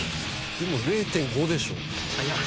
でも０．５でしょ？